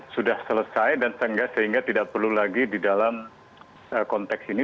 sudah selesai dan sehingga tidak perlu lagi di dalam konteks ini